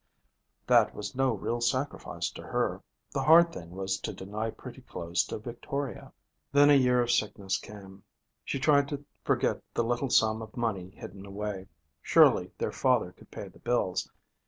That was no real sacrifice to her. The hard thing was to deny pretty clothes to Victoria. Then a year of sickness came. She tried to forget the little sum of money hidden away. Surely their father could pay the bills.